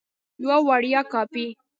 یوه وړیا کاپي